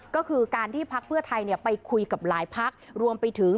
ก็คือการที่พักเพื่อไทยไปคุยกับหลายพักรวมไปถึง